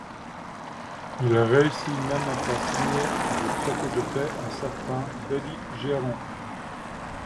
Il réussit même à faire signer des traités de paix à certains belligérants.